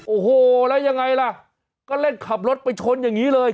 โอ้โหแล้วยังไงล่ะก็เล่นขับรถไปชนอย่างนี้เลย